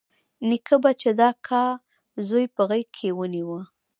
نيکه به چې د اکا زوى په غېږ کښې ونيو.